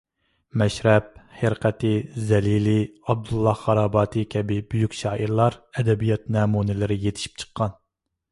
مەشرەپ، ھىرقەتى، زەلىلىي، ئابدۇللاھ خاراباتىي كەبى بۈيۈك شائىرلار، ئەدەبىيات نەمۇنىلىرى يېتىشىپ چىققان.